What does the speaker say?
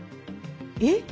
えっ？